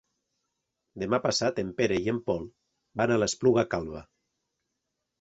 Demà passat en Pere i en Pol van a l'Espluga Calba.